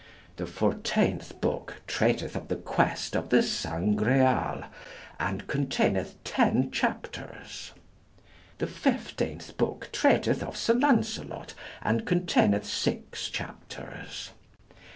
The fourteenth book treateth of the quest of the Sangreal, and containeth 10 chapters. The fifteenth book treateth of Sir Lancelot, and containeth 6 chapters.